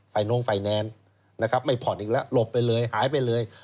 โน้งไฟแนนซ์นะครับไม่ผ่อนอีกแล้วหลบไปเลยหายไปเลย